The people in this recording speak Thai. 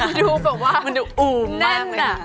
มันดูแบบว่าแน่นอะมันดูอู๋มมากเลยค่ะ